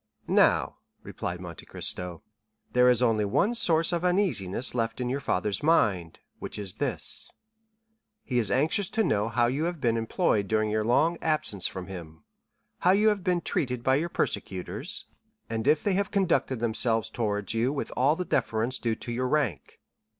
"Now," replied Monte Cristo "there is only one source of uneasiness left in your father's mind, which is this—he is anxious to know how you have been employed during your long absence from him, how you have been treated by your persecutors, and if they have conducted themselves towards you with all the deference due to your rank.